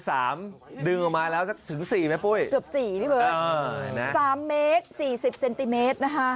สามเมตรสี่สิบเซนติเมตรนะฮะ